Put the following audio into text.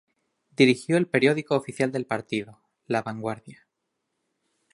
Dirigió el periódico oficial del partido, La Vanguardia.